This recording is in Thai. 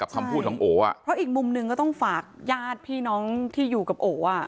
คำพูดของโออ่ะเพราะอีกมุมหนึ่งก็ต้องฝากญาติพี่น้องที่อยู่กับโออ่ะ